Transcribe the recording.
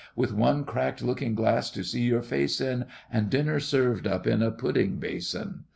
With one cracked looking glass to see your face in, And dinner served up in a pudding basin!